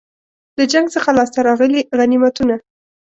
له جنګ څخه لاسته راغلي غنیمتونه.